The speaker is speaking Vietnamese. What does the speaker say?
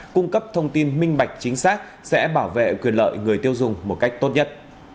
cung cấp thông tin minh bạch chính xác sẽ bảo vệ quyền lợi người tiêu dùng một cách tốt nhất